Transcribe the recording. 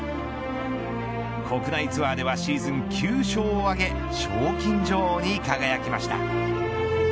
国内ツアーではシーズン９勝を挙げ賞金女王に輝きました。